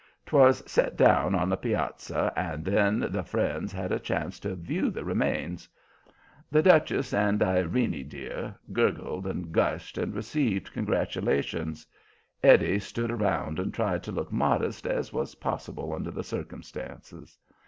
'Twas set down on the piazza and then the friends had a chance to view the remains. The Duchess and "Irene dear" gurgled and gushed and received congratulations. Eddie stood around and tried to look modest as was possible under the circumstances.